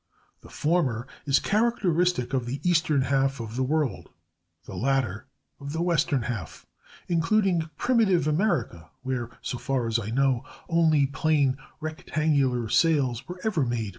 The former is characteristic of the eastern half of the world, the latter of the western half, including primitive America, where, so far as I know, only plain, rectangular sails were ever made by the Indians.